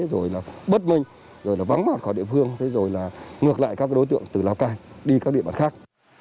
rồi bất minh rồi vắng bỏ khỏi địa phương rồi ngược lại các đối tượng từ lào cai đi các địa bàn khác